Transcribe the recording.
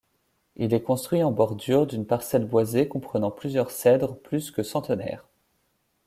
Il est construit en bordure d'une parcelle boisée comprenant plusieurs cèdres plus que centenaires.